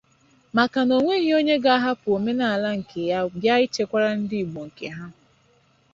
maka na o nweghị onye ga-ahapụ omenala nke ya bịa ichekwara ndị Igbo nke ha.